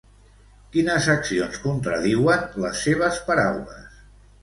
Quines accions contradiuen les seves paraules?